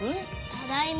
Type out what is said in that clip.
ただいま。